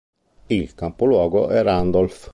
Il capoluogo è Randolph.